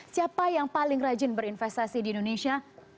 siapa yang paling rajin berinvestasi di indonesia